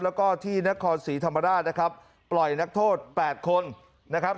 แล้วก็ที่นครศรีธรรมราชนะครับปล่อยนักโทษ๘คนนะครับ